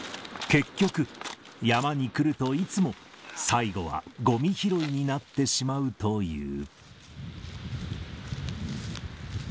結局、山に来るといつも、最後はごみ拾いになってしまうという。